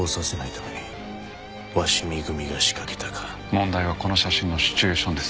問題はこの写真のシチュエーションです。